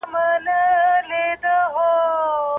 مينه ناکي او اولاد زيږوونکي ښځي ولي غوره دي؟